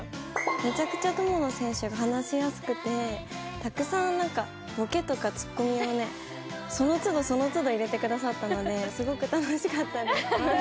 めちゃくちゃ友野選手が話しやすくてたくさん、ボケとかツッコミをその都度その都度入れてくださったのですごく楽しかったです。